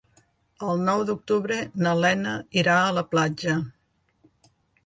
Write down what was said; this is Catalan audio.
El nou d'octubre na Lena irà a la platja.